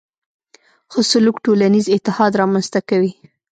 ښه سلوک ټولنیز اتحاد رامنځته کوي.